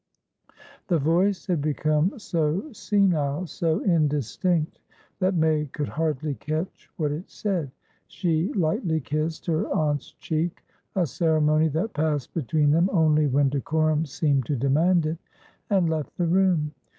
The voice had become so senile, so indistinct, that May could hardly catch what it said. She lightly kissed her aunt's cheeka ceremony that passed between them only when decorum seemed to demand itand left the room.